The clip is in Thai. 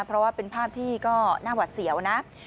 เพราะว่าเป็นภาพที่ก็น่าหวัดเสียวนะ